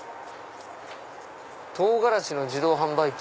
唐辛子の自動販売機。